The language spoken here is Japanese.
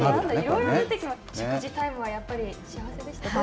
食事タイムはやっぱり幸せでしたか。